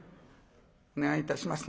お願いいたします。